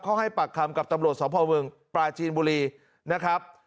เขาให้ปากคำกับตำรวจสพเมืองปราจีนบุรีนะครับ